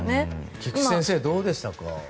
菊地先生、どうでしたか？